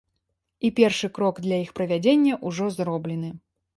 І першы крок для іх правядзення ўжо зроблены.